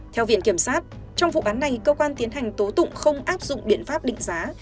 theo viện kiểm sát trong vụ án này cơ quan tiến hành tố tụng không áp dụng biện pháp định giá